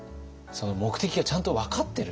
目的がちゃんと分かってる。